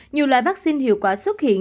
nhiều loại vaccine hiệu quả xuất hiện